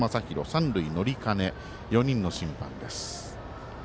三塁、乗金、４人の審判です。